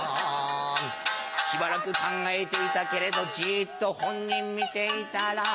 しばらく考えていたけれどじっと本人見ていたら